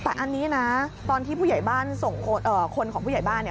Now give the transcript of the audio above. แต่อันนี้นะตอนที่ผู้ใหญ่บ้านส่งคนของผู้ใหญ่บ้านเนี่ย